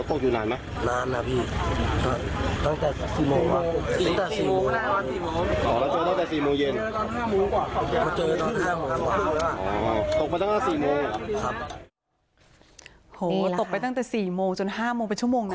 โอ้โหตกไปตั้งแต่๔โมงจน๕โมงเป็นชั่วโมงนะ